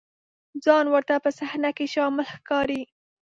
ځان ورته په صحنه کې شامل ښکاري.